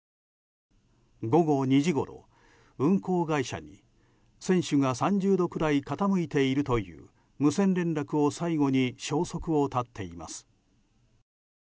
午後２時ごろ、運航会社に船首が３０度くらい傾いているという無線連絡を最後に消息を絶っています。